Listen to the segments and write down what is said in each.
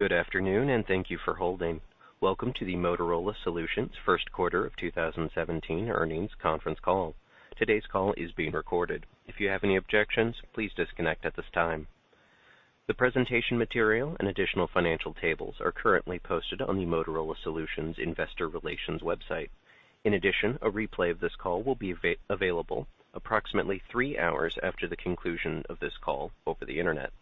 Good afternoon, and thank you for holding. Welcome to the Motorola Solutions first quarter of 2017 earnings conference call. Today's call is being recorded. If you have any objections, please disconnect at this time. The presentation material and additional financial tables are currently posted on the Motorola Solutions investor relations website. In addition, a replay of this call will be available approximately 3 hours after the conclusion of this call over the Internet.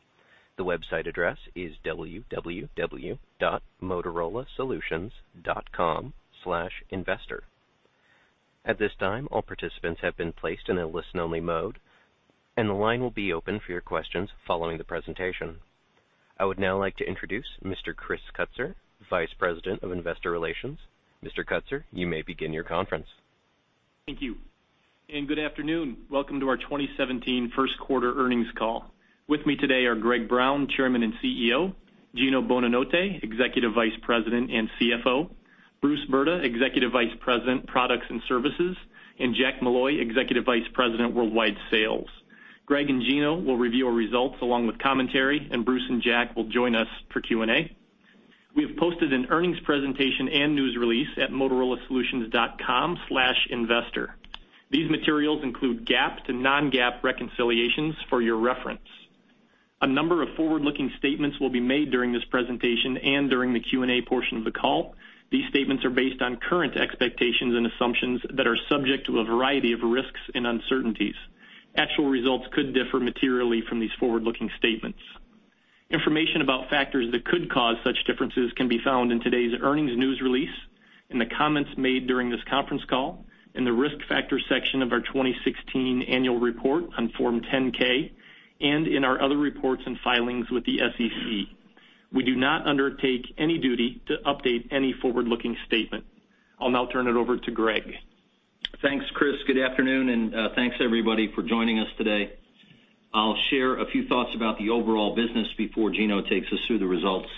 The website address is www.motorolasolutions.com/investor. At this time, all participants have been placed in a listen-only mode, and the line will be open for your questions following the presentation. I would now like to introduce Mr. Chris Kutsor, Vice President of Investor Relations. Mr. Kutsor, you may begin your conference. Thank you, and good afternoon. Welcome to our 2017 first quarter earnings call. With me today are Greg Brown, Chairman and CEO; Gino Bonanotte, Executive Vice President and CFO; Bruce Brda, Executive Vice President, Products and Services; and Jack Molloy, Executive Vice President, Worldwide Sales. Greg and Gino will review our results along with commentary, and Bruce and Jack will join us for Q&A. We have posted an earnings presentation and news release at motorolasolutions.com/investor. These materials include GAAP to non-GAAP reconciliations for your reference. A number of forward-looking statements will be made during this presentation and during the Q&A portion of the call. These statements are based on current expectations and assumptions that are subject to a variety of risks and uncertainties. Actual results could differ materially from these forward-looking statements. Information about factors that could cause such differences can be found in today's earnings news release, in the comments made during this conference call, in the Risk Factors section of our 2016 annual report on Form 10-K, and in our other reports and filings with the SEC. We do not undertake any duty to update any forward-looking statement. I'll now turn it over to Greg. Thanks, Chris. Good afternoon, and thanks, everybody, for joining us today. I'll share a few thoughts about the overall business before Gino takes us through the results,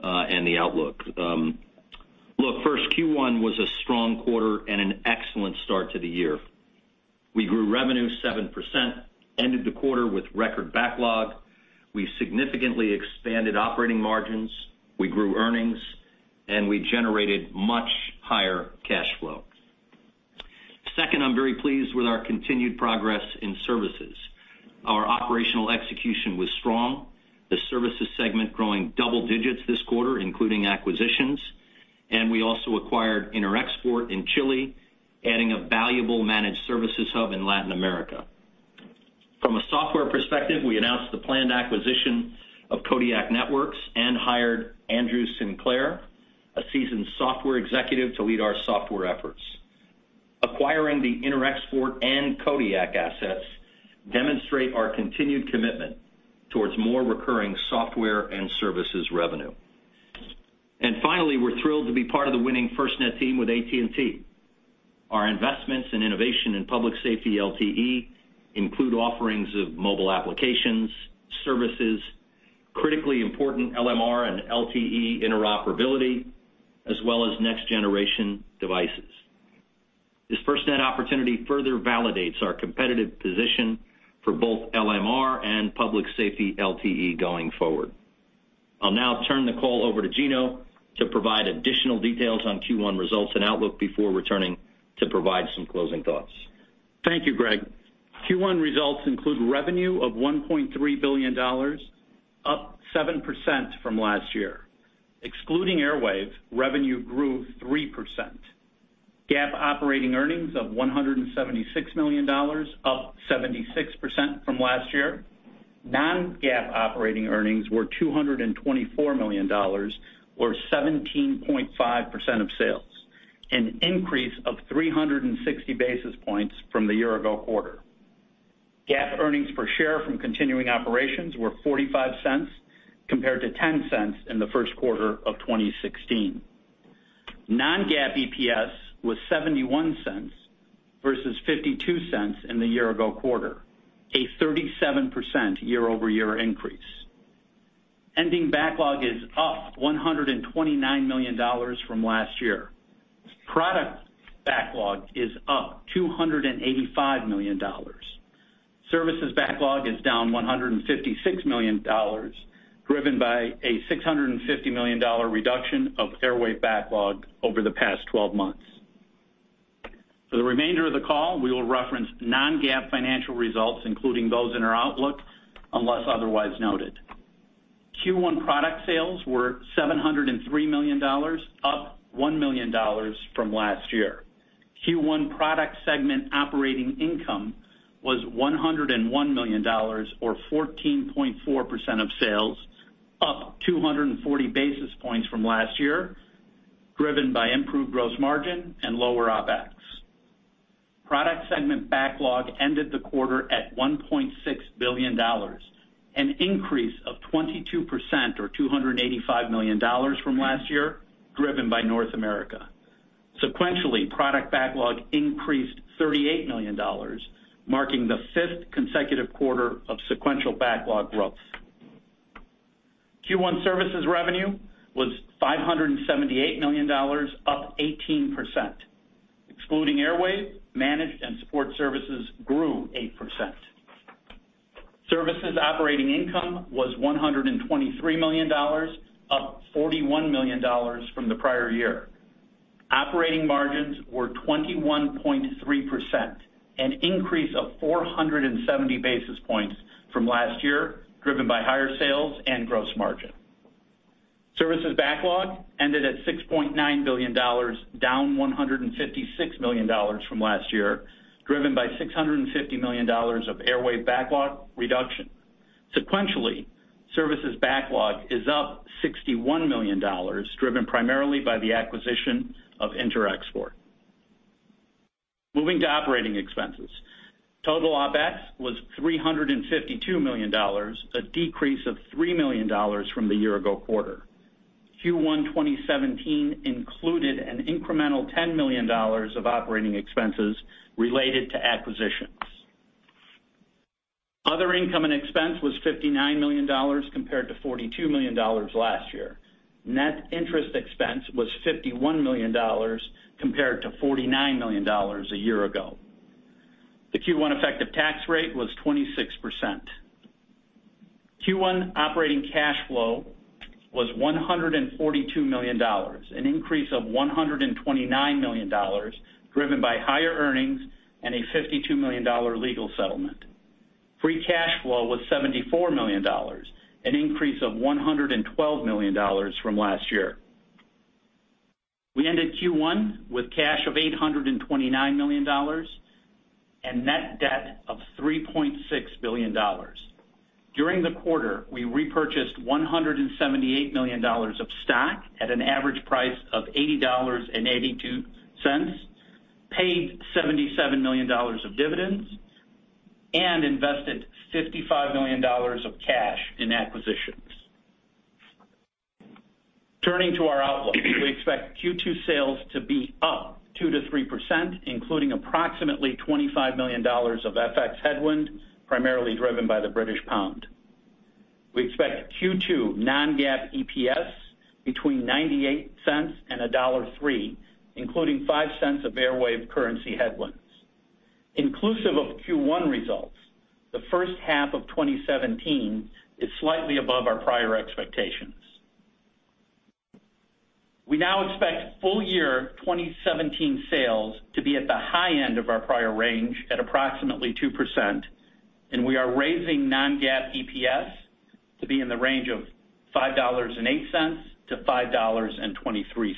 and the outlook. Look, first, Q1 was a strong quarter and an excellent start to the year. We grew revenue 7%, ended the quarter with record backlog, we significantly expanded operating margins, we grew earnings, and we generated much higher cash flow. Second, I'm very pleased with our continued progress in services. Our operational execution was strong, the services segment growing double digits this quarter, including acquisitions, and we also acquired Interexport in Chile, adding a valuable managed services hub in Latin America. From a software perspective, we announced the planned acquisition of Kodiak Networks and hired Andrew Sinclair, a seasoned software executive, to lead our software efforts. Acquiring the Interexport and Kodiak assets demonstrate our continued commitment towards more recurring software and services revenue. And finally, we're thrilled to be part of the winning FirstNet team with AT&T. Our investments in innovation and public safety LTE include offerings of mobile applications, services, critically important LMR and LTE interoperability, as well as next-generation devices. This FirstNet opportunity further validates our competitive position for both LMR and public safety LTE going forward. I'll now turn the call over to Gino to provide additional details on Q1 results and outlook before returning to provide some closing thoughts. Thank you, Greg. Q1 results include revenue of $1.3 billion, up 7% from last year. Excluding Airwave, revenue grew 3%. GAAP operating earnings of $176 million, up 76% from last year. Non-GAAP operating earnings were $224 million, or 17.5% of sales, an increase of 360 basis points from the year-ago quarter. GAAP earnings per share from continuing operations were $0.45, compared to $0.10 in the first quarter of 2016. Non-GAAP EPS was $0.71 versus $0.52 in the year-ago quarter, a 37% year-over-year increase. Ending backlog is up $129 million from last year. Product backlog is up $285 million. Services backlog is down $156 million, driven by a $650 million reduction of Airwave backlog over the past 12 months. For the remainder of the call, we will reference non-GAAP financial results, including those in our outlook, unless otherwise noted. Q1 product sales were $703 million, up $1 million from last year. Q1 product segment operating income was $101 million, or 14.4% of sales, up 240 basis points from last year, driven by improved gross margin and lower OpEx. Product segment backlog ended the quarter at $1.6 billion, an increase of 22% or $285 million from last year, driven by North America. Sequentially, product backlog increased $38 million, marking the fifth consecutive quarter of sequential backlog growth. Q1 services revenue was $578 million, up 18%. Excluding Airwave, managed and support services grew 8%. Services operating income was $123 million, up $41 million from the prior year. Operating margins were 21.3%, an increase of 470 basis points from last year, driven by higher sales and gross margin. Services backlog ended at $6.9 billion, down $156 million from last year, driven by $650 million of Airwave backlog reduction. Sequentially, services backlog is up $61 million, driven primarily by the acquisition of Interexport. Moving to operating expenses. Total OpEx was $352 million, a decrease of $3 million from the year ago quarter. Q1 2017 included an incremental $10 million of operating expenses related to acquisitions. Other income and expense was $59 million compared to $42 million last year. Net interest expense was $51 million compared to $49 million a year ago. The Q1 effective tax rate was 26%. Q1 operating cash flow was $142 million, an increase of $129 million, driven by higher earnings and a $52 million legal settlement. Free cash flow was $74 million, an increase of $112 million from last year. We ended Q1 with cash of $829 million and net debt of $3.6 billion. During the quarter, we repurchased $178 million of stock at an average price of $80.82, paid $77 million of dividends, and invested $55 million of cash in acquisitions. Turning to our outlook, we expect Q2 sales to be up 2%-3%, including approximately $25 million of FX headwind, primarily driven by the British pound. We expect Q2 non-GAAP EPS between $0.98 and $1.03, including $0.05 of Airwave currency headwinds. Inclusive of Q1 results, the first half of 2017 is slightly above our prior expectations. We now expect full year 2017 sales to be at the high end of our prior range at approximately 2%, and we are raising non-GAAP EPS to be in the range of $5.08-$5.23.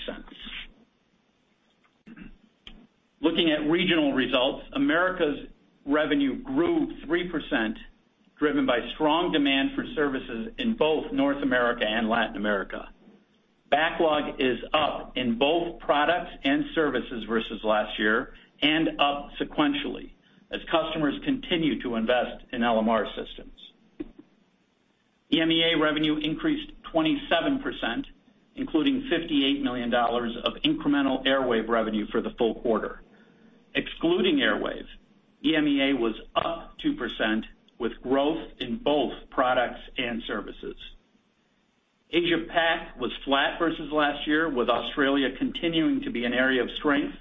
Looking at regional results, Americas revenue grew 3%, driven by strong demand for services in both North America and Latin America. Backlog is up in both products and services versus last year, and up sequentially as customers continue to invest in LMR systems. EMEA revenue increased 27%, including $58 million of incremental Airwave revenue for the full quarter. Excluding Airwave, EMEA was up 2%, with growth in both products and services. Asia Pac was flat versus last year, with Australia continuing to be an area of strength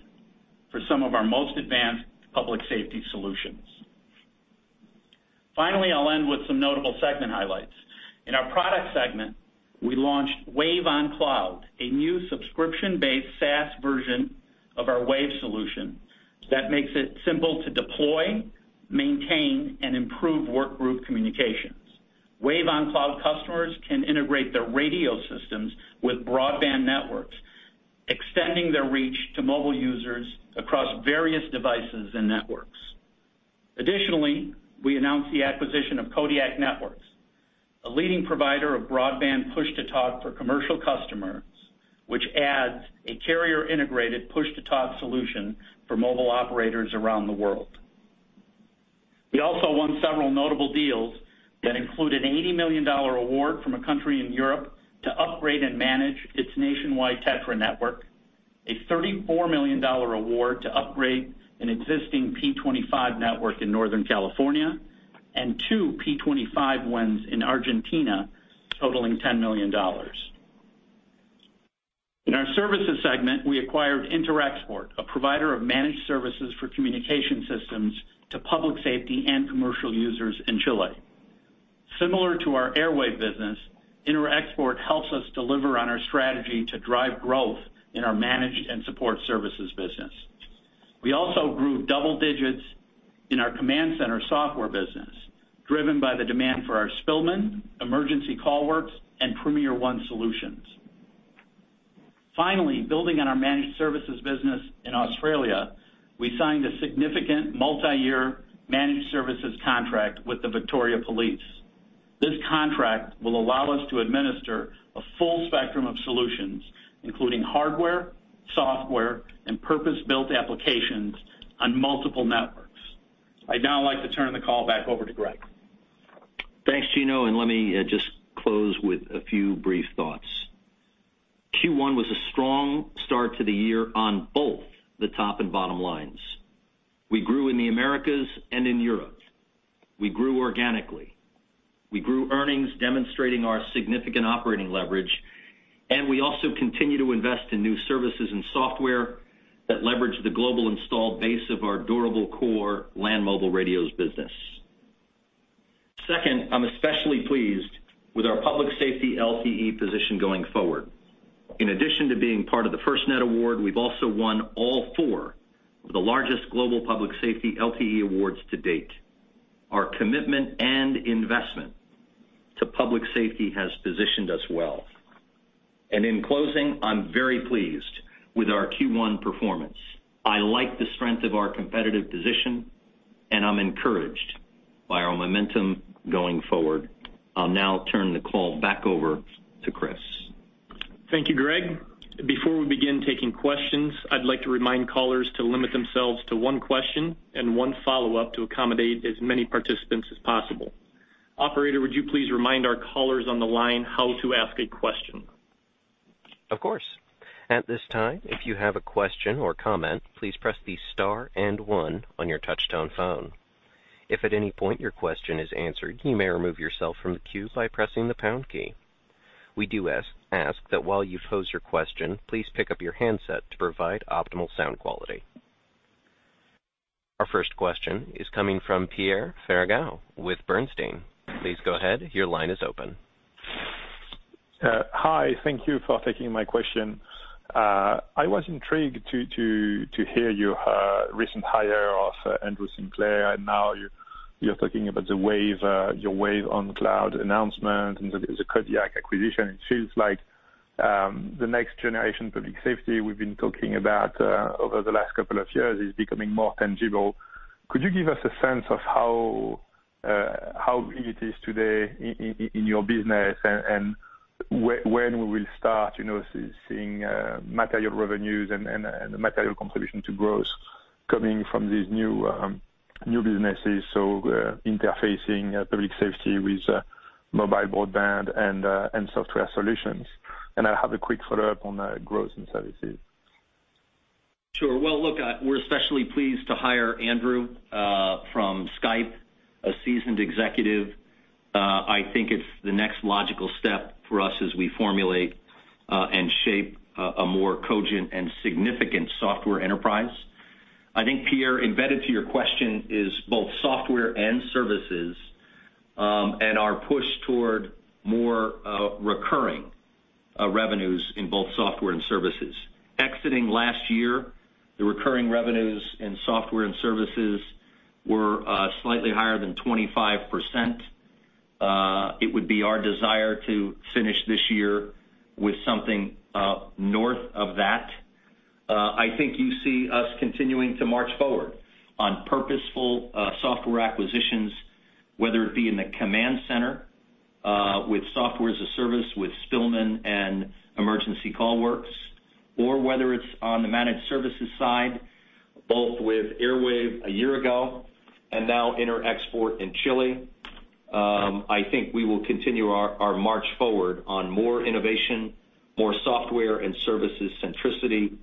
for some of our most advanced public safety solutions. Finally, I'll end with some notable segment highlights. In our product segment, we launched WAVE OnCloud, a new subscription-based SaaS version of our WAVE solution that makes it simple to deploy, maintain, and improve work group communications. WAVE OnCloud customers can integrate their radio systems with broadband networks, extending their reach to mobile users across various devices and networks. Additionally, we announced the acquisition of Kodiak Networks, a leading provider of broadband push-to-talk for commercial customers, which adds a carrier-integrated push-to-talk solution for mobile operators around the world. We also won several notable deals that include an $80 million award from a country in Europe to upgrade and manage its nationwide TETRA network, a $34 million award to upgrade an existing P25 network in Northern California, and two P25 wins in Argentina, totaling $10 million. In our services segment, we acquired Interexport, a provider of managed services for communication systems to public safety and commercial users in Chile. Similar to our Airwave business, Interexport helps us deliver on our strategy to drive growth in our managed and support services business. We also grew double digits in our command center software business, driven by the demand for our Spillman, Emergency CallWorks, and PremierOne solutions. Finally, building on our managed services business in Australia, we signed a significant multiyear managed services contract with the Victoria Police. This contract will allow us to administer a full spectrum of solutions, including hardware, software, and purpose-built applications on multiple networks. I'd now like to turn the call back over to Greg. Thanks, Gino, and let me just close with a few brief thoughts. Q1 was a strong start to the year on both the top and bottom lines. We grew in the Americas and in Europe. We grew organically. We grew earnings, demonstrating our significant operating leverage, and we also continue to invest in new services and software that leverage the global installed base of our durable core Land Mobile Radios business. Second, I'm especially pleased with our public safety LTE position going forward. In addition to being part of the FirstNet award, we've also won all four of the largest global public safety LTE awards to date. Our commitment and investment to public safety has positioned us well. And in closing, I'm very pleased with our Q1 performance. I like the strength of our competitive position, and I'm encouraged by our momentum going forward. I'll now turn the call back over to Chris. Thank you, Greg. Before we begin taking questions, I'd like to remind callers to limit themselves to one question and one follow-up to accommodate as many participants as possible. Operator, would you please remind our callers on the line how to ask a question? Of course. At this time, if you have a question or comment, please press the star and one on your touchtone phone. If at any point your question is answered, you may remove yourself from the queue by pressing the pound key. We do ask that while you pose your question, please pick up your handset to provide optimal sound quality. Our first question is coming from Pierre Ferragu with Bernstein. Please go ahead. Your line is open. Hi, thank you for taking my question. I was intrigued to hear your recent hire of Andrew Sinclair, and now you're talking about the WAVE, your WAVE OnCloud announcement and the Kodiak acquisition. It seems like the next generation public safety we've been talking about over the last couple of years is becoming more tangible. Could you give us a sense of how it is today in your business, and when we will start, you know, seeing material revenues and material contribution to growth coming from these new businesses, so interfacing public safety with mobile broadband and software solutions? And I have a quick follow-up on growth and services. Sure. Well, look, we're especially pleased to hire Andrew from Skype, a seasoned executive. I think it's the next logical step for us as we formulate and shape a more cogent and significant software enterprise. I think, Pierre, embedded to your question is both software and services, and our push toward more recurring revenues in both software and services. Exiting last year, the recurring revenues in software and services were slightly higher than 25%. It would be our desire to finish this year with something north of that. I think you see us continuing to march forward on purposeful, software acquisitions, whether it be in the command center, with software as a service, with Spillman and Emergency CallWorks, or whether it's on the managed services side, both with Airwave a year ago and now Interexport in Chile. I think we will continue our march forward on more innovation, more software and services centricity,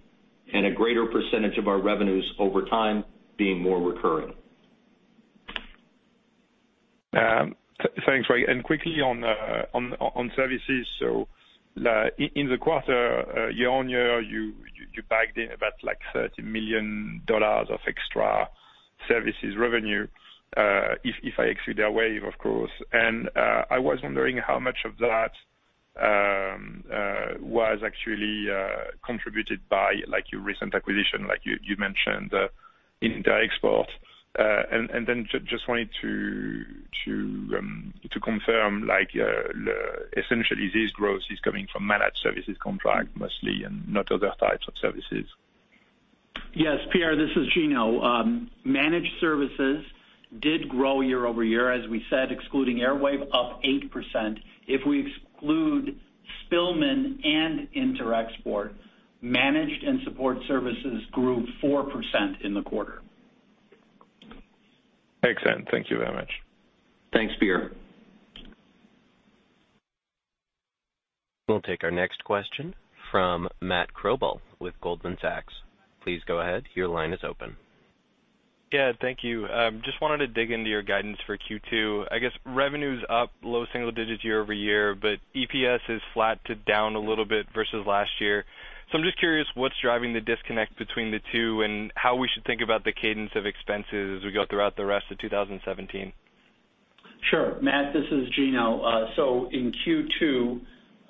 and a greater percentage of our revenues over time being more recurring. Thanks, Greg. And quickly on services. So, in the quarter, year-on-year, you backed in about, like, $30 million of extra services revenue, if I exclude Airwave, of course. And I was wondering how much of that was actually contributed by, like, your recent acquisition, like you mentioned, Interexport. And then just wanted to confirm, like, essentially, this growth is coming from managed services contract mostly and not other types of services. Yes, Pierre, this is Gino. Managed services did grow year-over-year, as we said, excluding Airwave, up 8%. If we exclude Spillman and Interexport, managed and support services grew 4% in the quarter. Makes sense. Thank you very much. Thanks, Pierre. We'll take our next question from Matthew Cabral with Goldman Sachs. Please go ahead. Your line is open. Yeah, thank you. Just wanted to dig into your guidance for Q2. I guess revenues up, low single digits year-over-year, but EPS is flat to down a little bit versus last year. So I'm just curious, what's driving the disconnect between the two, and how we should think about the cadence of expenses as we go throughout the rest of 2017? Sure, Matt, this is Gino. So in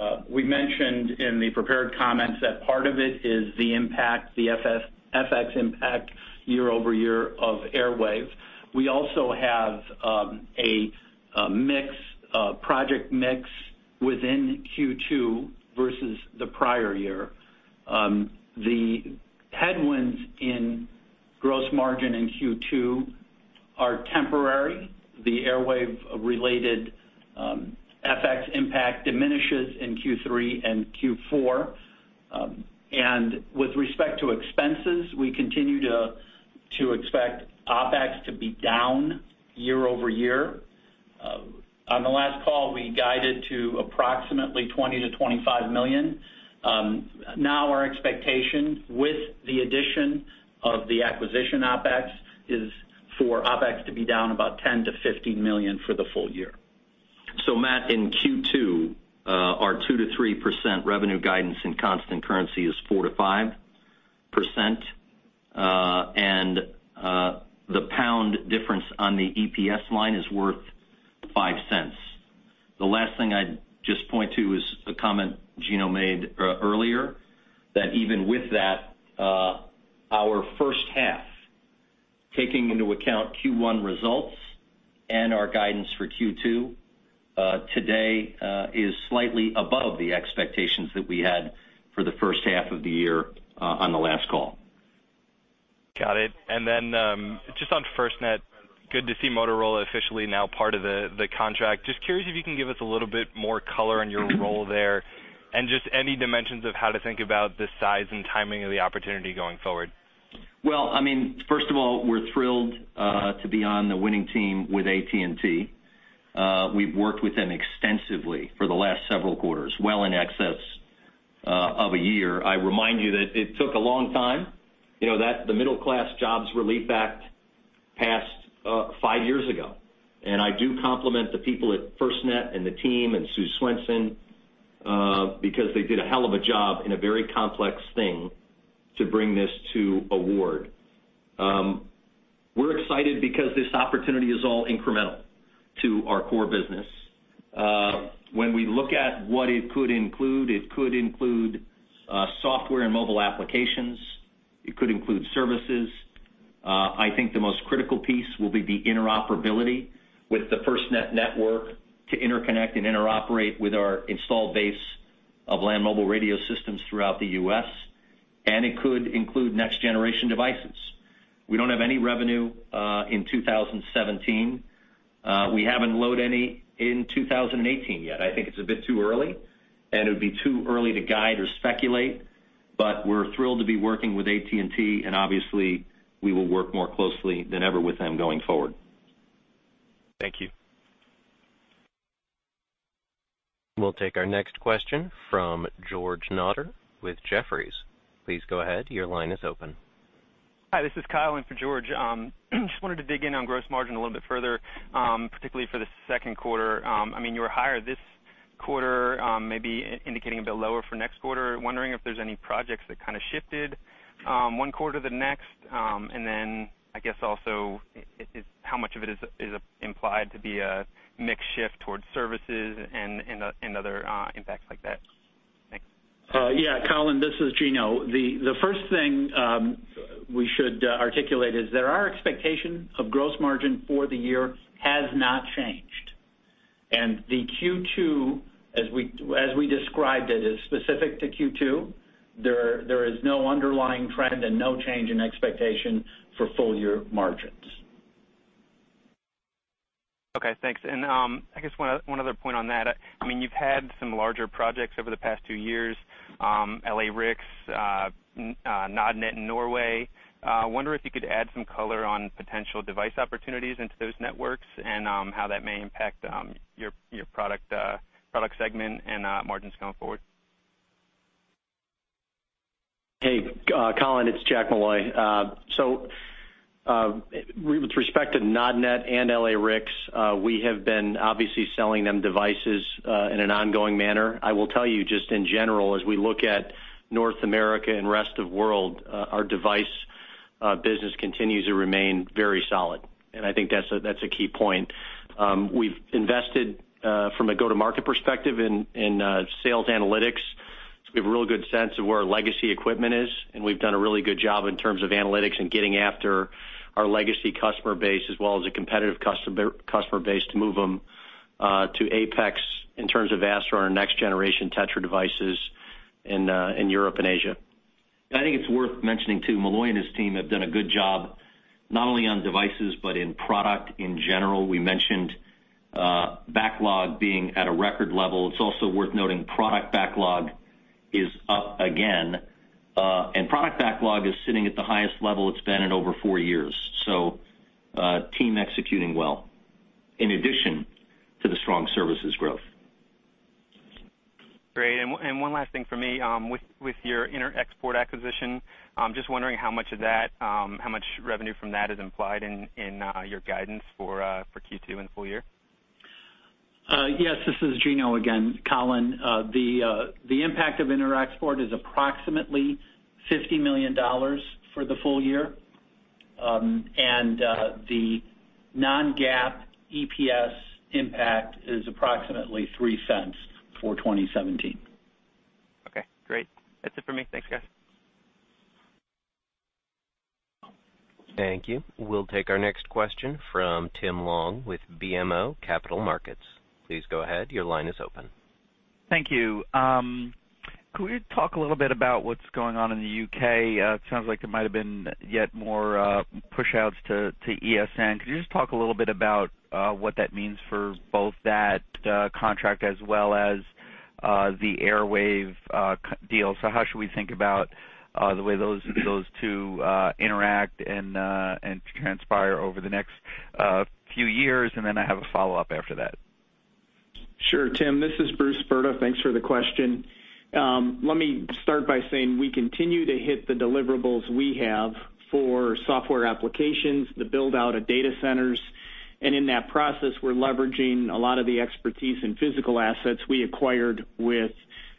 Q2, we mentioned in the prepared comments that part of it is the impact, the FX impact year-over-year of Airwave. We also have a mix, a project mix within Q2 versus the prior year. The headwinds in gross margin in Q2 are temporary. The Airwave-related FX impact diminishes in Q3 and Q4. And with respect to expenses, we continue to expect OpEx to be down year-over-year. On the last-... we guided to approximately $20-25 million. Now our expectation, with the addition of the acquisition OpEx, is for OpEx to be down about $10-15 million for the full year. So Matt, in Q2, our 2%-3% revenue guidance in constant currency is 4%-5%, and the pound difference on the EPS line is worth $0.05. The last thing I'd just point to is a comment Gino made earlier, that even with that, our first half, taking into account Q1 results and our guidance for Q2, today, is slightly above the expectations that we had for the first half of the year, on the last call. Got it. And then, just on FirstNet, good to see Motorola officially now part of the contract. Just curious if you can give us a little bit more color on your role there, and just any dimensions of how to think about the size and timing of the opportunity going forward. Well, I mean, first of all, we're thrilled to be on the winning team with AT&T. We've worked with them extensively for the last several quarters, well in excess of a year. I remind you that it took a long time, you know, that the Middle Class Jobs Relief Act passed five years ago, and I do compliment the people at FirstNet and the team and Sue Swenson because they did a hell of a job in a very complex thing to bring this to award. We're excited because this opportunity is all incremental to our core business. When we look at what it could include, it could include software and mobile applications, it could include services. I think the most critical piece will be the interoperability with the FirstNet network to interconnect and interoperate with our installed base of land mobile radio systems throughout the U.S., and it could include next-generation devices. We don't have any revenue in 2017. We haven't loaded any in 2018 yet. I think it's a bit too early, and it would be too early to guide or speculate, but we're thrilled to be working with AT&T, and obviously, we will work more closely than ever with them going forward. Thank you. We'll take our next question from George Notter with Jefferies. Please go ahead. Your line is open. Hi, this is Colin for George. Just wanted to dig in on gross margin a little bit further, particularly for the second quarter. I mean, you were higher this quarter, maybe indicating a bit lower for next quarter. Wondering if there's any projects that kind of shifted, one quarter to the next? And then, I guess also, is how much of it is implied to be a mix shift towards services and other impacts like that? Thanks. Yeah, Colin, this is Gino. The first thing we should articulate is that our expectation of gross margin for the year has not changed. And the Q2, as we described it, is specific to Q2. There is no underlying trend and no change in expectation for full year margins. Okay, thanks. And, I guess one other point on that. I mean, you've had some larger projects over the past two years, LA-RICS, Nødnett in Norway. I wonder if you could add some color on potential device opportunities into those networks and, how that may impact, your product segment and margins going forward. Hey, Colin, it's Jack Molloy. So, with respect to Nødnett and LA-RICS, we have been obviously selling them devices in an ongoing manner. I will tell you just in general, as we look at North America and rest of world, our device business continues to remain very solid, and I think that's a key point. We've invested from a go-to-market perspective in sales analytics, so we have a really good sense of where our legacy equipment is, and we've done a really good job in terms of analytics and getting after our legacy customer base, as well as a competitive customer base to move them to APX in terms of ASTRO and next-generation TETRA devices in Europe and Asia. I think it's worth mentioning, too, Molloy and his team have done a good job not only on devices, but in product in general. We mentioned, backlog being at a record level. It's also worth noting product backlog is up again, and product backlog is sitting at the highest level it's been in over four years, so, team executing well, in addition to the strong services growth. Great. And one last thing for me, with your Interexport acquisition, I'm just wondering how much of that, how much revenue from that is implied in your guidance for Q2 and full year? Yes, this is Gino again, Colin. The impact of Interexport is approximately $50 million for the full year. The non-GAAP EPS impact is approximately $0.03 for 2017. Okay, great. That's it for me. Thanks, guys. Thank you. We'll take our next question from Tim Long with BMO Capital Markets. Please go ahead. Your line is open. Thank you. Could we talk a little bit about what's going on in the UK? It sounds like there might have been yet more pushouts to ESN. Could you just talk a little bit about what that means for both that contract as well as the Airwave deal? So how should we think about the way those two interact and transpire over the next few years? And then I have a follow-up after that. Sure, Tim, this is Bruce Brda. Thanks for the question. Let me start by saying we continue to hit the deliverables we have for software applications, the build-out of data centers, and in that process, we're leveraging a lot of the expertise and physical assets we acquired with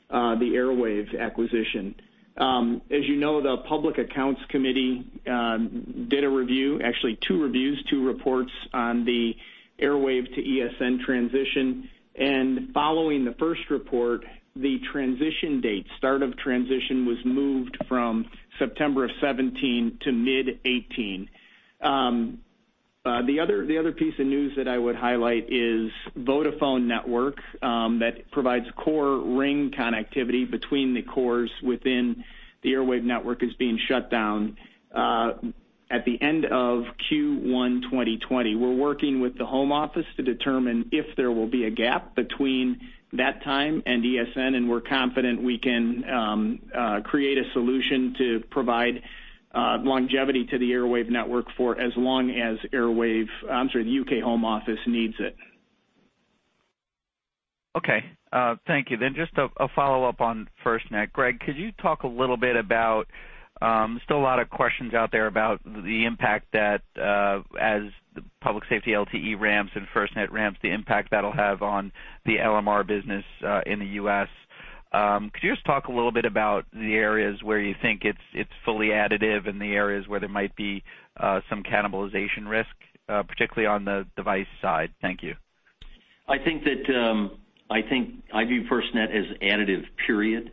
the Airwave acquisition. As you know, the Public Accounts Committee did a review, actually two reviews, two reports on the Airwave to ESN transition. And following the first report, the transition date, start of transition, was moved from September of 2017 to mid 2018. The other piece of news that I would highlight is Vodafone network that provides core ring connectivity between the cores within the Airwave network is being shut down at the end of Q1 2020. We're working with the Home Office to determine if there will be a gap between that time and ESN, and we're confident we can create a solution to provide longevity to the Airwave network for as long as the UK Home Office needs it. Okay, thank you. Then just a follow-up on FirstNet. Greg, could you talk a little bit about, still a lot of questions out there about the impact that, as the public safety LTE ramps and FirstNet ramps, the impact that'll have on the LMR business, in the U.S. Could you just talk a little bit about the areas where you think it's fully additive and the areas where there might be some cannibalization risk, particularly on the device side? Thank you. I think that, I think I view FirstNet as additive, period,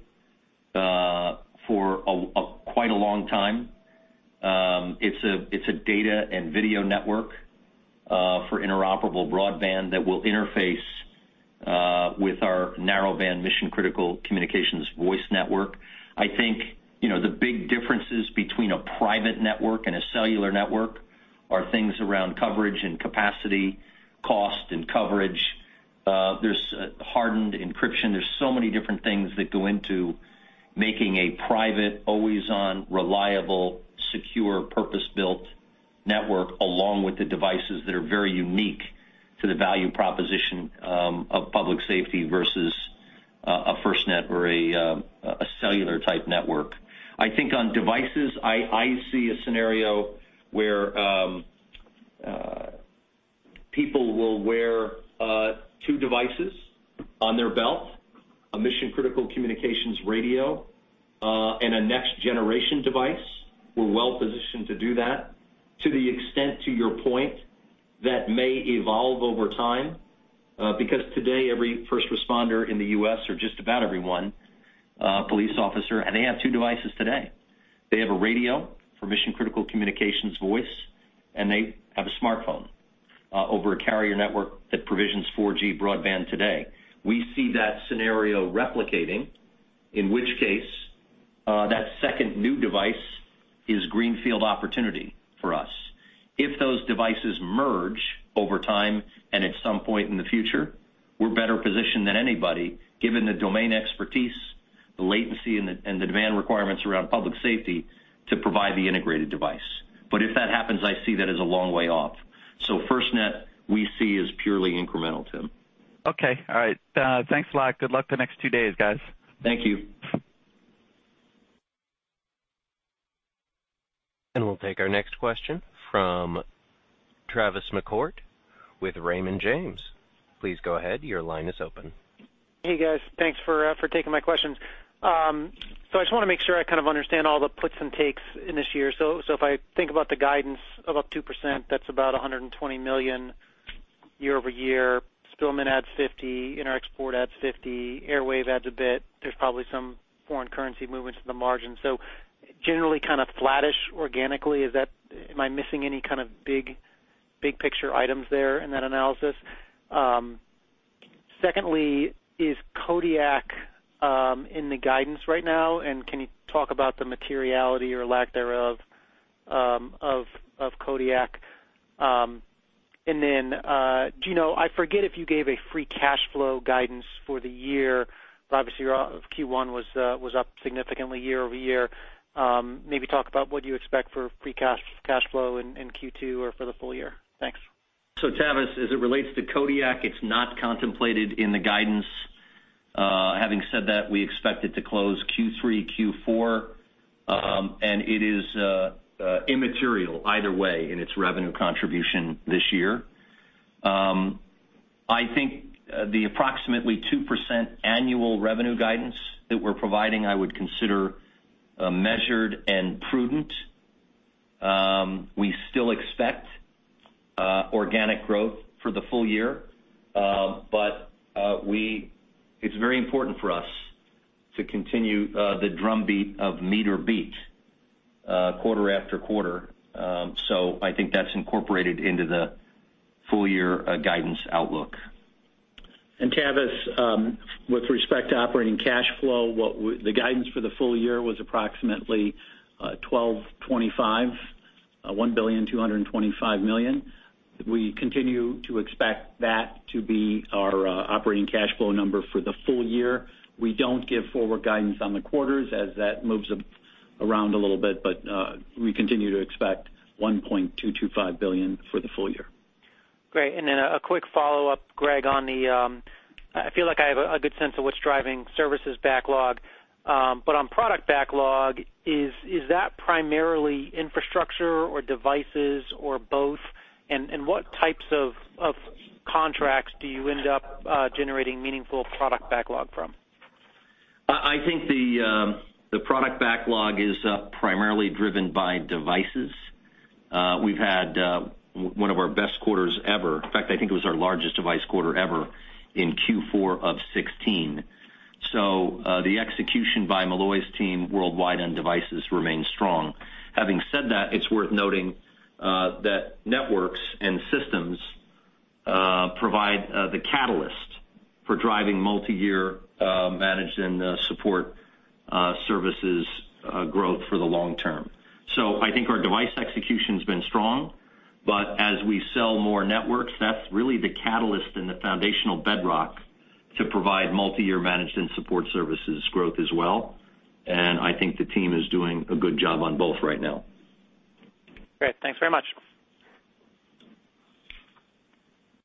for quite a long time. It's a data and video network for interoperable broadband that will interface with our narrowband mission-critical communications voice network. I think, you know, the big differences between a private network and a cellular network are things around coverage and capacity, cost and coverage. There's hardened encryption. There's so many different things that go into making a private, always-on, reliable, secure, purpose-built network, along with the devices that are very unique to the value proposition of public safety versus a FirstNet or a cellular-type network. I think on devices, I see a scenario where people will wear two devices on their belt, a mission-critical communications radio, and a next-generation device. We're well positioned to do that. To the extent to your point, that may evolve over time, because today, every first responder in the U.S., or just about everyone, police officer, and they have two devices today. They have a radio for mission-critical communications voice, and they have a smartphone, over a carrier network that provisions 4G broadband today. We see that scenario replicating, in which case, that second new device is greenfield opportunity for us. If those devices merge over time and at some point in the future, we're better positioned than anybody, given the domain expertise, the latency, and the demand requirements around public safety, to provide the integrated device. But if that happens, I see that as a long way off. So FirstNet, we see as purely incremental, Tim. Okay. All right. Thanks a lot. Good luck the next two days, guys. Thank you. We'll take our next question from Tavis McCourt with Raymond James. Please go ahead. Your line is open. Hey, guys. Thanks for taking my questions. So, I just want to make sure I kind of understand all the puts and takes in this year. So, if I think about the guidance of up 2%, that's about $120 million year-over-year. Spillman adds $50 million, Interexport adds $50 million, Airwave adds a bit. There's probably some foreign currency movements in the margin. So generally, kind of flattish organically. Is that? Am I missing any kind of big, big picture items there in that analysis? Secondly, is Kodiak in the guidance right now? And can you talk about the materiality or lack thereof, of Kodiak? And then, do you know, I forget if you gave a free cash flow guidance for the year, but obviously, your Q1 was up significantly year-over-year. Maybe talk about what you expect for free cash, cash flow in Q2 or for the full year? Thanks. So, Tavis, as it relates to Kodiak, it's not contemplated in the guidance. Having said that, we expect it to close Q3, Q4, and it is immaterial either way in its revenue contribution this year. I think the approximately 2% annual revenue guidance that we're providing, I would consider measured and prudent. We still expect organic growth for the full year, but it's very important for us to continue the drumbeat of meet or beat quarter after quarter. So I think that's incorporated into the full year guidance outlook. Tavis, with respect to operating cash flow, the guidance for the full year was approximately $1,225 million.... $1.225 billion. We continue to expect that to be our operating cash flow number for the full year. We don't give forward guidance on the quarters as that moves around a little bit, but we continue to expect $1.225 billion for the full year. Great. And then a quick follow-up, Greg. I feel like I have a good sense of what's driving services backlog. But on product backlog, is that primarily infrastructure or devices or both? And what types of contracts do you end up generating meaningful product backlog from? I think the product backlog is primarily driven by devices. We've had one of our best quarters ever. In fact, I think it was our largest device quarter ever in Q4 of 2016. So, the execution by Molloy's team worldwide on devices remains strong. Having said that, it's worth noting that networks and systems provide the catalyst for driving multiyear managed and support services growth for the long term. So I think our device execution's been strong, but as we sell more networks, that's really the catalyst and the foundational bedrock to provide multiyear managed and support services growth as well, and I think the team is doing a good job on both right now. Great. Thanks very much.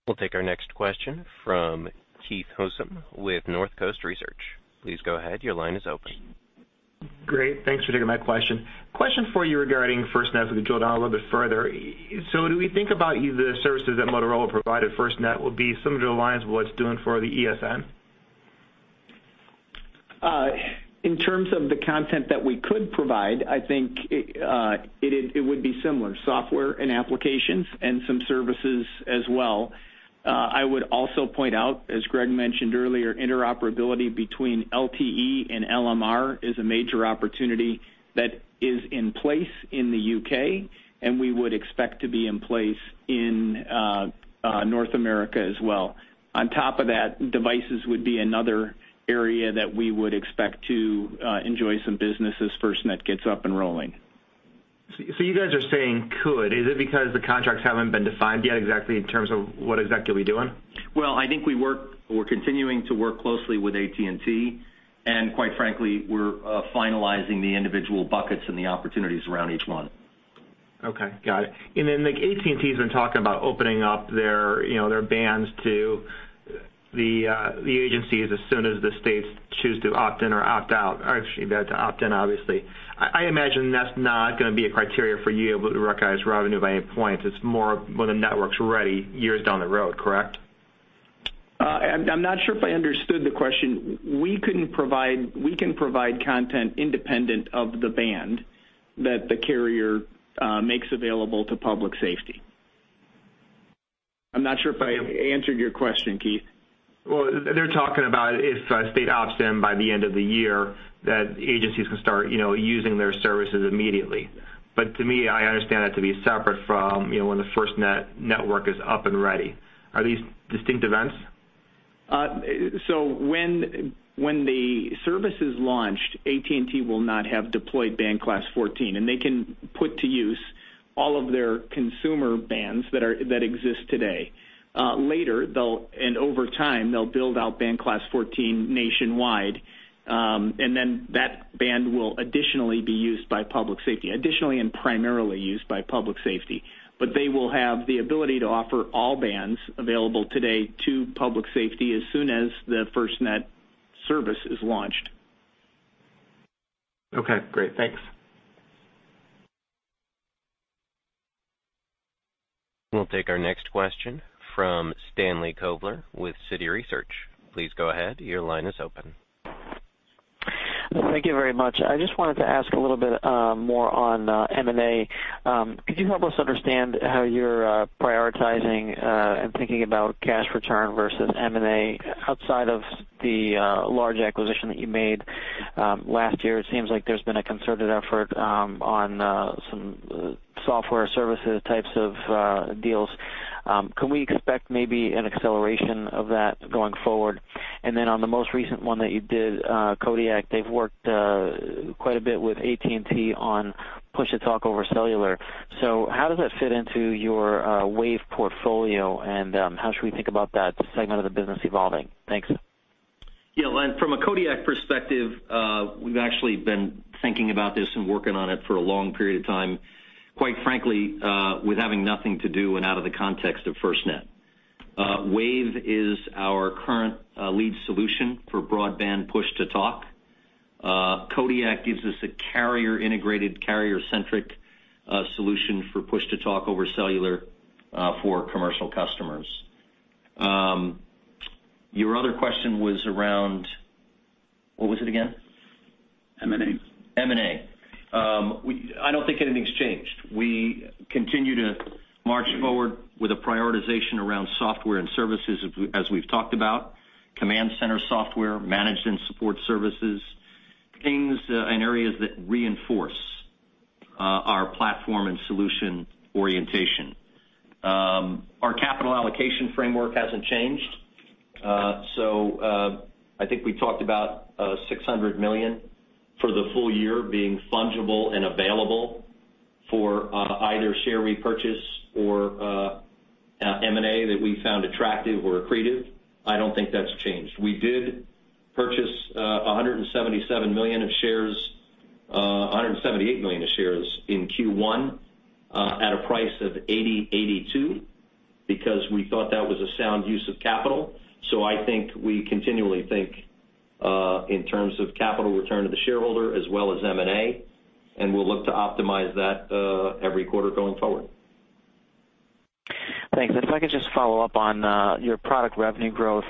We'll take our next question from Keith Housum with Northcoast Research. Please go ahead. Your line is open. Great, thanks for taking my question. Question for you regarding FirstNet, to drill down a little bit further. So do we think about the services that Motorola provided FirstNet would be similar to the lines of what it's doing for the ESN? In terms of the content that we could provide, I think it would be similar, software and applications and some services as well. I would also point out, as Greg mentioned earlier, interoperability between LTE and LMR is a major opportunity that is in place in the U.K., and we would expect to be in place in North America as well. On top of that, devices would be another area that we would expect to enjoy some business as FirstNet gets up and rolling. So, you guys are saying, could. Is it because the contracts haven't been defined yet, exactly, in terms of what exactly you'll be doing? Well, we're continuing to work closely with AT&T, and quite frankly, we're finalizing the individual buckets and the opportunities around each one. Okay, got it. And then, like, AT&T's been talking about opening up their, you know, their bands to the, the agencies as soon as the states choose to opt in or opt out, or actually, they have to opt in, obviously. I, I imagine that's not gonna be a criteria for you to recognize revenue by any point. It's more when the network's ready, years down the road, correct? I'm not sure if I understood the question. We can provide content independent of the band that the carrier makes available to public safety. I'm not sure if I answered your question, Keith. Well, they're talking about if a state opts in by the end of the year, that agencies can start, you know, using their services immediately. But to me, I understand that to be separate from, you know, when the FirstNet network is up and ready. Are these distinct events? So when the service is launched, AT&T will not have deployed Band Class 14, and they can put to use all of their consumer bands that exist today. Later, and over time, they'll build out Band Class 14 nationwide, and then that band will additionally be used by public safety, additionally and primarily used by public safety. But they will have the ability to offer all bands available today to public safety as soon as the FirstNet service is launched. Okay, great. Thanks. We'll take our next question from Stan Kovler with Citi Research. Please go ahead. Your line is open. Thank you very much. I just wanted to ask a little bit, more on, M&A. Could you help us understand how you're prioritizing and thinking about cash return versus M&A outside of the large acquisition that you made last year? It seems like there's been a concerted effort on some software services types of deals. Can we expect maybe an acceleration of that going forward? And then on the most recent one that you did, Kodiak, they've worked quite a bit with AT&T on push-to-talk over cellular. So how does that fit into your WAVE portfolio, and how should we think about that segment of the business evolving? Thanks. Yeah, and from a Kodiak perspective, we've actually been thinking about this and working on it for a long period of time, quite frankly, with having nothing to do and out of the context of FirstNet. WAVE is our current lead solution for broadband push-to-talk. Kodiak gives us a carrier-integrated, carrier-centric solution for push-to-talk over cellular for commercial customers. Your other question was around... What was it again? M&A. M&A. We, I don't think anything's changed. We continue to march forward with a prioritization around software and services, as we've talked about, command center software, managed and support services, things, and areas that reinforce our platform and solution orientation. Our capital allocation framework hasn't changed. So, I think we talked about $600 million for the full year being fungible and available for either share repurchase or M&A that we found attractive or accretive. I don't think that's changed. We did purchase $177 million of shares, $178 million of shares in Q1, at a price of $80-$82, because we thought that was a sound use of capital. So I think we continually think in terms of capital return to the shareholder as well as M&A, and we'll look to optimize that every quarter going forward. Thanks. If I could just follow up on your product revenue growth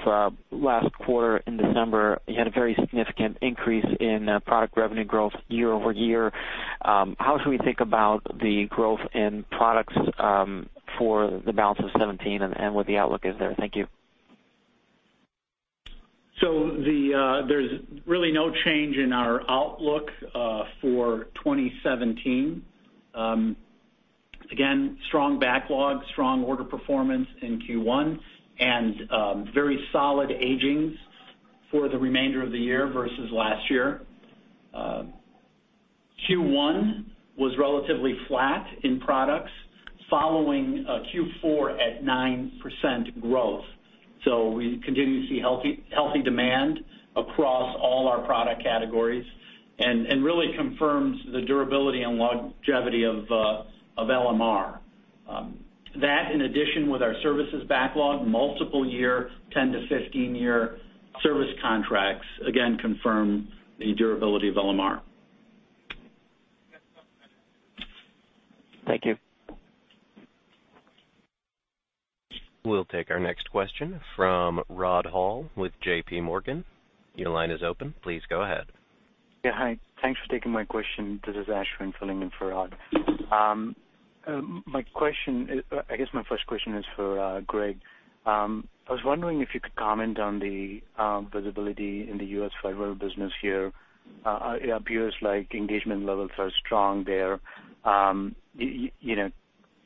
last quarter in December, you had a very significant increase in product revenue growth year over year. How should we think about the growth in products for the balance of 2017 and what the outlook is there? Thank you. So there's really no change in our outlook for 2017. Again, strong backlog, strong order performance in Q1, and very solid bookings for the remainder of the year versus last year. Q1 was relatively flat in products, following a Q4 at 9% growth. So we continue to see healthy, healthy demand across all our product categories, and, and really confirms the durability and longevity of LMR. That, in addition with our services backlog, multi-year, 10-15-year service contracts, again, confirm the durability of LMR. Thank you. We'll take our next question from Rod Hall with JP Morgan. Your line is open. Please go ahead. Yeah, hi. Thanks for taking my question. This is Ashwin filling in for Rod. My question is. I guess my first question is for Greg. I was wondering if you could comment on the visibility in the U.S. federal business here. It appears like engagement levels are strong there. You know,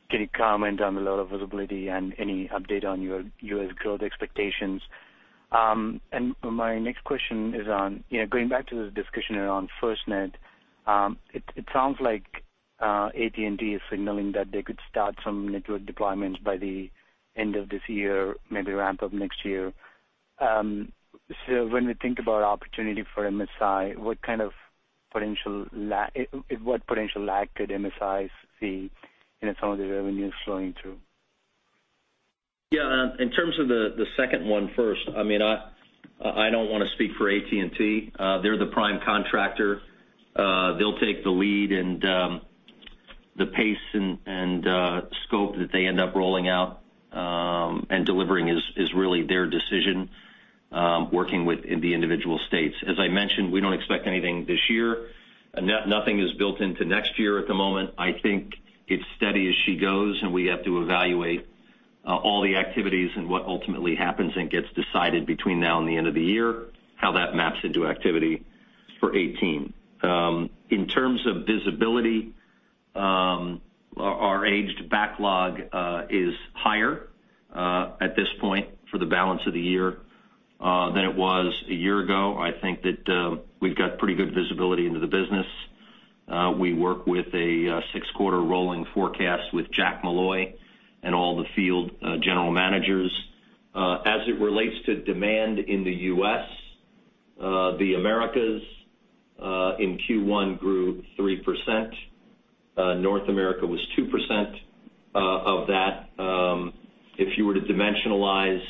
can you comment on the level of visibility and any update on your U.S. growth expectations? And my next question is on, you know, going back to the discussion around FirstNet. It sounds like AT&T is signaling that they could start some network deployments by the end of this year, maybe ramp up next year. So when we think about opportunity for MSI, what kind of potential la- what potential lag could MSI see in some of the revenues flowing through? Yeah, in terms of the second one first, I mean, I don't wanna speak for AT&T. They're the prime contractor. They'll take the lead, and the pace and scope that they end up rolling out and delivering is really their decision, working within the individual states. As I mentioned, we don't expect anything this year. Nothing is built into next year at the moment. I think it's steady as she goes, and we have to evaluate all the activities and what ultimately happens and gets decided between now and the end of the year, how that maps into activity for 2018. In terms of visibility, our aged backlog is higher at this point for the balance of the year than it was a year ago. I think that we've got pretty good visibility into the business. We work with a six-quarter rolling forecast with Jack Molloy and all the field general managers. As it relates to demand in the U.S., the Americas in Q1 grew 3%. North America was 2% of that. If you were to dimensionalize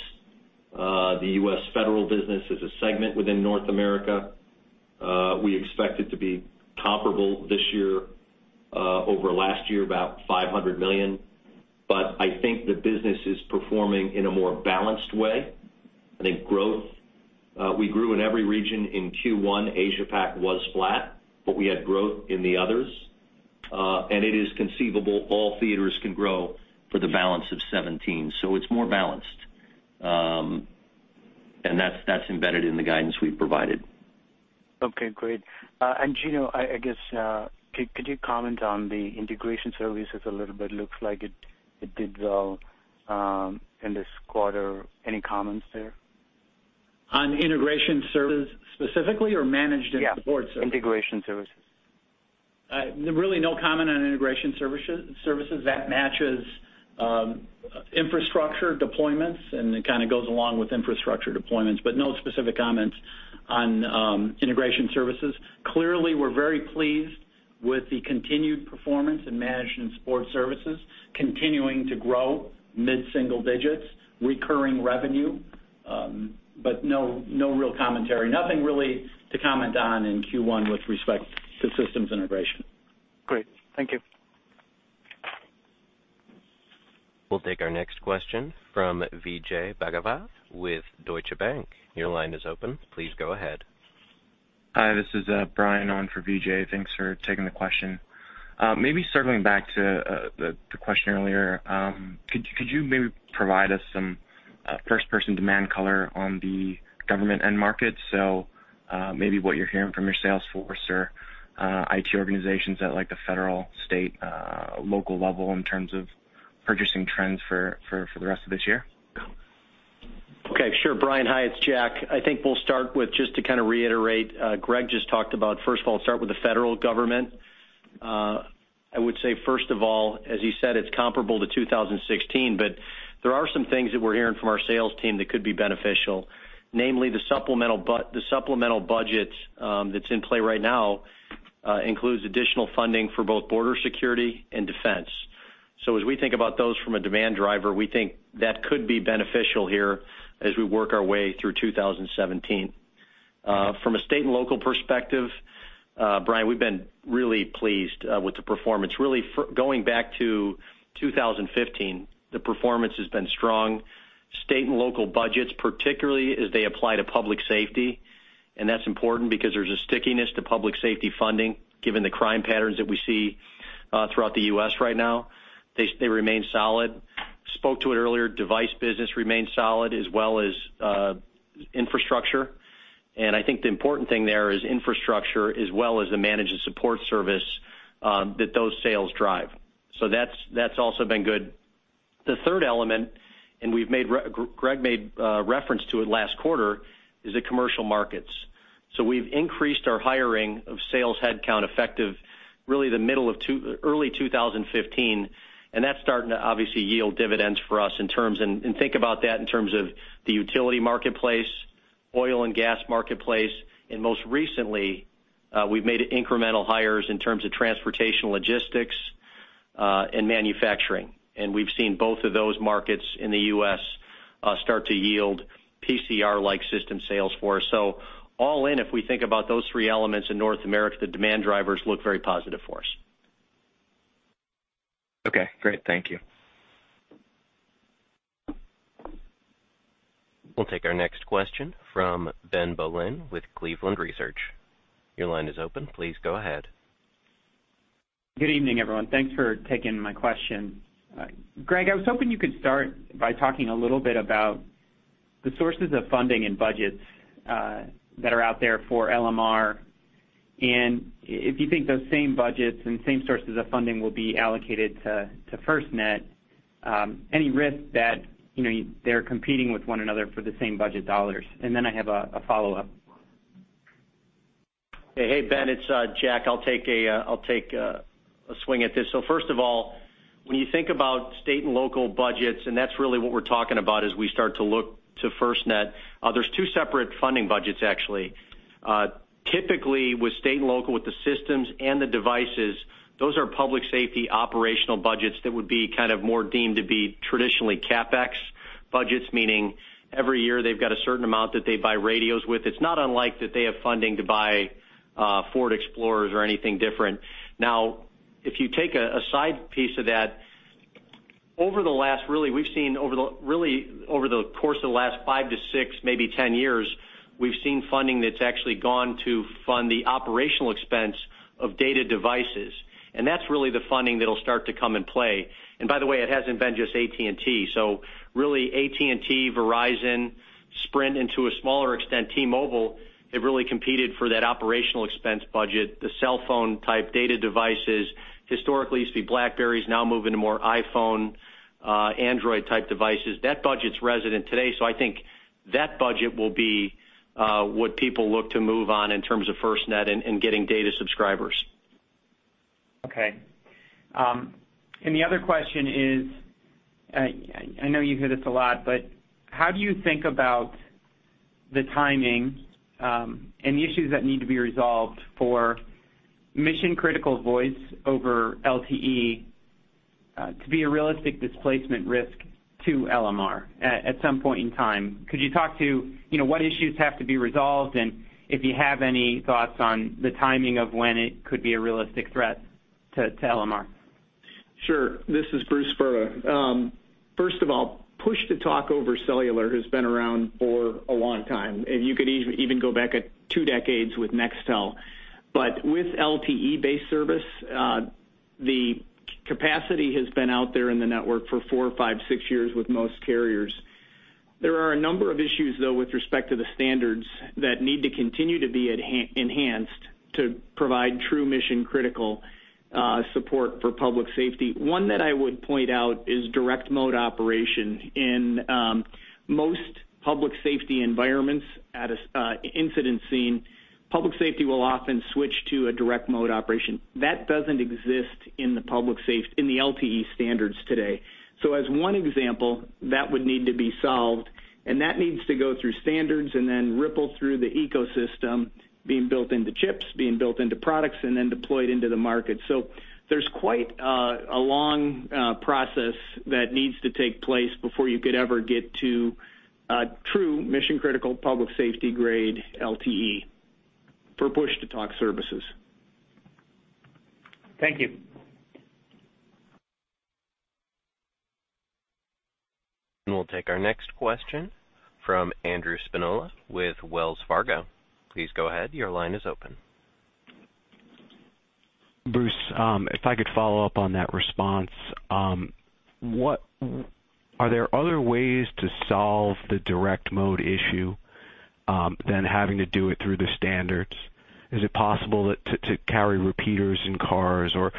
the U.S. federal business as a segment within North America, we expect it to be comparable this year over last year, about $500 million. But I think the business is performing in a more balanced way. I think growth, we grew in every region in Q1. Asia Pac was flat, but we had growth in the others. And it is conceivable all theaters can grow for the balance of 2017, so it's more balanced. That's embedded in the guidance we've provided. Okay, great. And Gino, I guess, could you comment on the integration services a little bit? It looks like it did well in this quarter. Any comments there? On integration services specifically, or managed and support services? Yeah, integration services. Really no comment on integration services, services. That matches, infrastructure deployments, and it kind of goes along with infrastructure deployments, but no specific comments on, integration services. Clearly, we're very pleased with the continued performance in managed and support services, continuing to grow mid-single digits, recurring revenue, but no, no real commentary. Nothing really to comment on in Q1 with respect to systems integration. Great. Thank you. We'll take our next question from Vijay Bhagavath with Deutsche Bank. Your line is open. Please go ahead. Hi, this is Brian on for Vijay. Thanks for taking the question. Maybe circling back to the question earlier, could you maybe provide us first person demand color on the government end market. So, maybe what you're hearing from your sales force or IT organizations at, like, the federal, state, local level in terms of purchasing trends for the rest of this year? Okay, sure, Brian. Hi, it's Jack. I think we'll start with just to kind of reiterate, Greg just talked about, first of all, start with the federal government. I would say, first of all, as you said, it's comparable to 2016, but there are some things that we're hearing from our sales team that could be beneficial. Namely, the supplemental budget that's in play right now includes additional funding for both border security and defense. So as we think about those from a demand driver, we think that could be beneficial here as we work our way through 2017. From a state and local perspective, Brian, we've been really pleased with the performance. Really, for going back to 2015, the performance has been strong. State and local budgets, particularly as they apply to public safety, and that's important because there's a stickiness to public safety funding, given the crime patterns that we see throughout the U.S. right now. They remain solid. Spoke to it earlier, device business remains solid as well as infrastructure, and I think the important thing there is infrastructure as well as the managed and support service that those sales drive. So that's also been good. The third element, and Greg made reference to it last quarter, is the commercial markets. So we've increased our hiring of sales headcount effective, really the middle of two... Early 2015, and that's starting to obviously yield dividends for us in terms and, and think about that in terms of the utility marketplace, oil and gas marketplace, and most recently, we've made incremental hires in terms of transportation, logistics, and manufacturing. And we've seen both of those markets in the U.S., start to yield PCR-like system sales for us. So all in, if we think about those three elements in North America, the demand drivers look very positive for us. Okay, great. Thank you. We'll take our next question from Ben Bollin with Cleveland Research. Your line is open. Please go ahead. Good evening, everyone. Thanks for taking my question. Greg, I was hoping you could start by talking a little bit about the sources of funding and budgets that are out there for LMR, and if you think those same budgets and same sources of funding will be allocated to FirstNet, any risk that, you know, they're competing with one another for the same budget dollars? And then I have a follow-up. Hey, Ben, it's Jack. I'll take a swing at this. So first of all, when you think about state and local budgets, and that's really what we're talking about as we start to look to FirstNet, there's two separate funding budgets, actually. Typically, with state and local, with the systems and the devices, those are public safety operational budgets that would be kind of more deemed to be traditionally CapEx budgets, meaning every year they've got a certain amount that they buy radios with. It's not unlike that they have funding to buy Ford Explorers or anything different. Now, if you take a side piece of that, over the course of the last 5-6, maybe 10 years, we've seen funding that's actually gone to fund the operational expense of data devices, and that's really the funding that'll start to come into play. By the way, it hasn't been just AT&T. So really, AT&T, Verizon, Sprint, and to a smaller extent, T-Mobile, have really competed for that operational expense budget. The cell phone type data devices, historically used to be BlackBerry, now moving to more iPhone, Android-type devices. That budget's resident today, so I think that budget will be what people look to move on in terms of FirstNet and getting data subscribers. Okay. And the other question is, I know you hear this a lot, but how do you think about the timing, and the issues that need to be resolved for mission-critical voice over LTE, to be a realistic displacement risk to LMR at some point in time? Could you talk to, you know, what issues have to be resolved, and if you have any thoughts on the timing of when it could be a realistic threat to LMR? Sure. This is Bruce Brda. First of all, push-to-talk over cellular has been around for a long time, and you could even go back 2 decades with Nextel. But with LTE-based service, the capacity has been out there in the network for 4, 5, 6 years with most carriers. There are a number of issues, though, with respect to the standards that need to continue to be enhanced to provide true mission-critical support for public safety. One that I would point out is direct mode operation. In most public safety environments at a incident scene, public safety will often switch to a direct mode operation. That doesn't exist in the LTE standards today. So as one example, that would need to be solved, and that needs to go through standards and then ripple through the ecosystem, being built into chips, being built into products, and then deployed into the market. So there's quite a long process that needs to take place before you could ever get to a true mission-critical, public safety grade LTE for push-to-talk services. Thank you. We'll take our next question from Andrew Spinola with Wells Fargo. Please go ahead. Your line is open. Bruce, if I could follow up on that response, are there other ways to solve the direct mode issue than having to do it through the standards? Is it possible to carry repeaters in cars or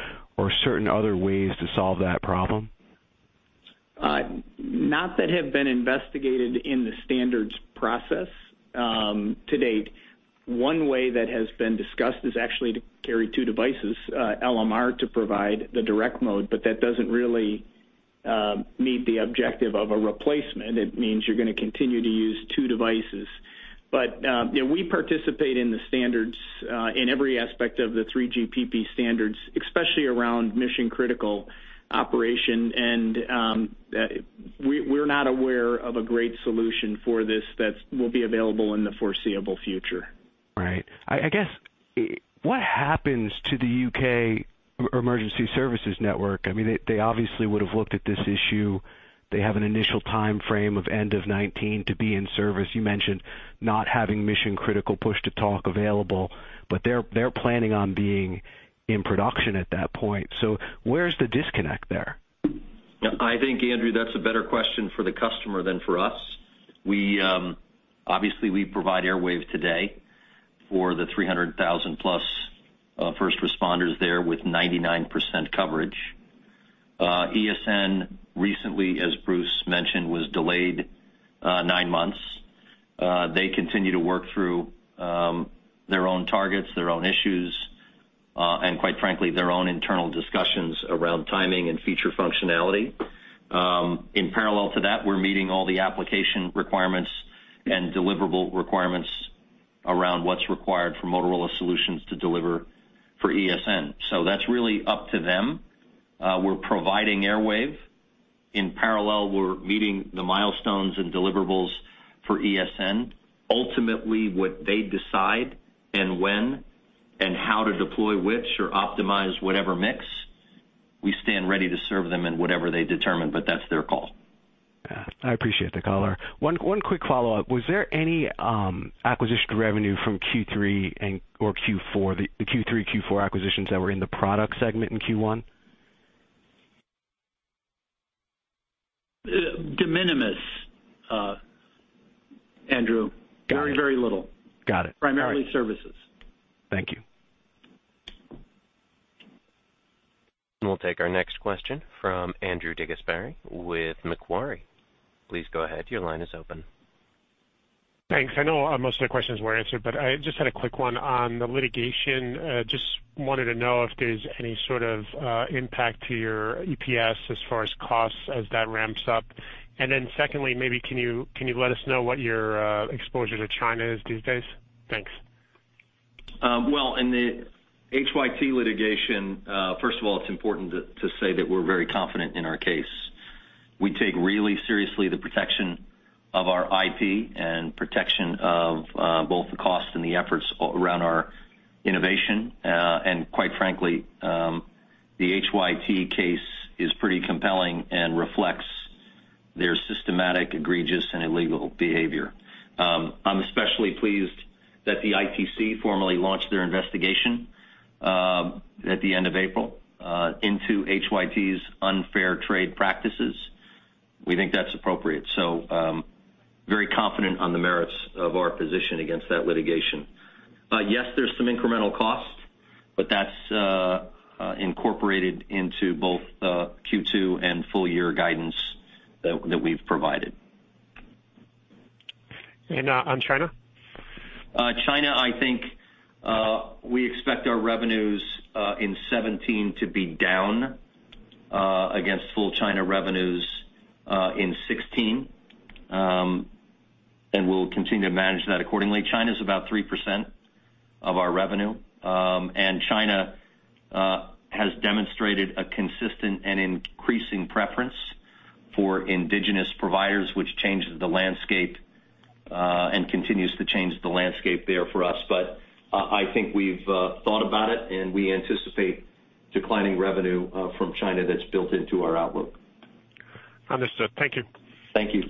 certain other ways to solve that problem? Not that have been investigated in the standards process to date. One way that has been discussed is actually to carry two devices, LMR, to provide the direct mode, but that doesn't really meet the objective of a replacement. It means you're going to continue to use two devices. But, yeah, we participate in the standards in every aspect of the 3GPP standards, especially around mission-critical operation. And, we're not aware of a great solution for this that will be available in the foreseeable future. Right. I guess, what happens to the UK Emergency Services Network? I mean, they obviously would have looked at this issue. They have an initial time frame of end of 2019 to be in service. You mentioned not having mission-critical push-to-talk available, but they're planning on being in production at that point. So where's the disconnect there? I think, Andrew, that's a better question for the customer than for us. We obviously provide Airwave today for the 300,000-plus first responders there with 99% coverage. ESN recently, as Bruce mentioned, was delayed 9 months. They continue to work through their own targets, their own issues, and quite frankly, their own internal discussions around timing and feature functionality. In parallel to that, we're meeting all the application requirements and deliverable requirements around what's required for Motorola Solutions to deliver for ESN. So that's really up to them. We're providing Airwave. In parallel, we're meeting the milestones and deliverables for ESN. Ultimately, what they decide and when and how to deploy which or optimize whatever mix, we stand ready to serve them in whatever they determine, but that's their call. Yeah, I appreciate the color. One quick follow-up: Was there any acquisition revenue from Q3 and, or Q4, the Q3, Q4 acquisitions that were in the product segment in Q1? De minimis, Andrew. Got it. Very, very little. Got it. Primarily services. Thank you. We'll take our next question from Andrew DeGasperi with Macquarie. Please go ahead. Your line is open. Thanks. I know most of the questions were answered, but I just had a quick one on the litigation. Just wanted to know if there's any sort of impact to your EPS as far as costs as that ramps up. And then secondly, maybe can you let us know what your exposure to China is these days? Thanks. Well, in the Hytera litigation, first of all, it's important to say that we're very confident in our case. We take really seriously the protection of our IP and protection of both the cost and the efforts around our innovation. And quite frankly, the Hytera case is pretty compelling and reflects their systematic, egregious, and illegal behavior. I'm especially pleased that the ITC formally launched their investigation at the end of April into Hytera's unfair trade practices. We think that's appropriate, so very confident on the merits of our position against that litigation. Yes, there's some incremental costs, but that's incorporated into both the Q2 and full year guidance that we've provided. On China? China, I think, we expect our revenues in 2017 to be down against full China revenues in 2016. We'll continue to manage that accordingly. China is about 3% of our revenue. China has demonstrated a consistent and increasing preference for indigenous providers, which changes the landscape and continues to change the landscape there for us. But, I think we've thought about it, and we anticipate declining revenue from China that's built into our outlook. Understood. Thank you. Thank you.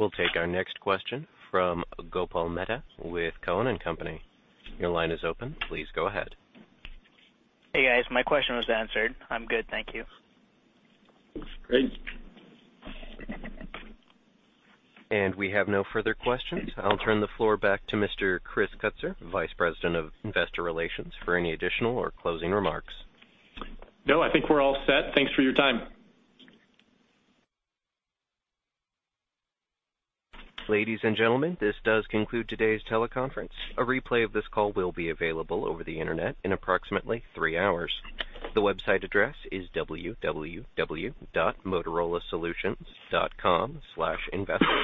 We'll take our next question from Paul Silverstein with Cowen and Company. Your line is open. Please go ahead. Hey, guys. My question was answered. I'm good. Thank you. Great. We have no further questions. I'll turn the floor back to Mr. Chris Kutsor, Vice President of Investor Relations, for any additional or closing remarks. No, I think we're all set. Thanks for your time. Ladies and gentlemen, this does conclude today's teleconference. A replay of this call will be available over the Internet in approximately three hours. The website address is www.motorolasolutions.com/investor.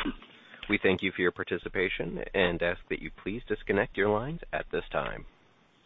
We thank you for your participation and ask that you please disconnect your lines at this time.